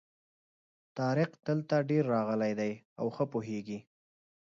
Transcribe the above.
طارق دلته ډېر راغلی دی او ښه پوهېږي.